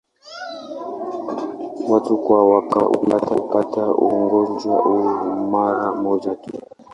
Watu kwa kawaida hupata ugonjwa huu mara moja tu.